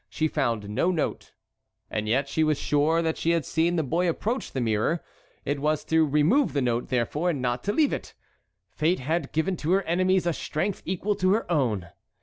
She found no note. And yet she was sure that she had seen the boy approach the mirror. It was to remove the note, therefore, and not to leave it. Fate had given to her enemies a strength equal to her own.